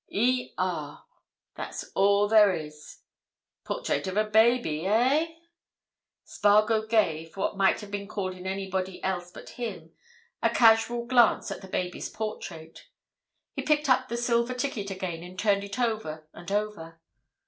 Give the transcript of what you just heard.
Er—that's all there is. Portrait of a baby, eh?" Spargo gave, what might have been called in anybody else but him, a casual glance at the baby's portrait. He picked up the silver ticket again and turned it over and over.